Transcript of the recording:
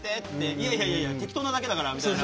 いやいやいや適当なだけだからみたいな。